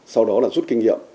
sau đó là rút kinh nghiệm